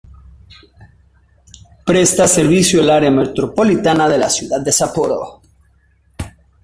Presta servicio al área metropolitana de la ciudad de Sapporo.